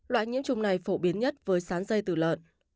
loại nhiễm trùng này phổ biến nhất với sán dây từ lợn